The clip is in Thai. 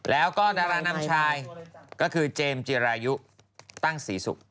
แล้วก็ดารานำชายก็คือเจมส์จิรายุตั้งศรีศุกร์